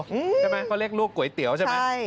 ใช่ไหมเขาเรียกลูกก๋วยเตี๋ยวใช่ไหม